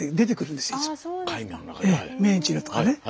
ええ明治のとかね。